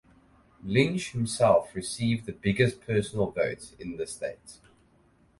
Lynch himself received the biggest personal vote in the state.